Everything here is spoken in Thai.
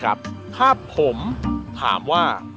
การตอบคำถามแบบไม่ตรงคำถามนะครับ